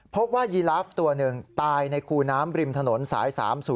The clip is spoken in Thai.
พบว่ายีราฟตัวหนึ่งตายในคู่น้ำบริมถนนสาย๓๐๔